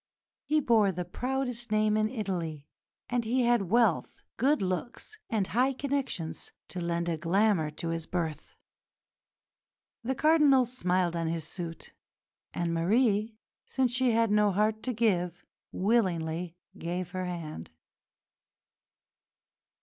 He bore the proudest name in Italy, and he had wealth, good looks, and high connections to lend a glamour to his birth. The Cardinal smiled on his suit, and Marie, since she had no heart to give, willingly gave her hand.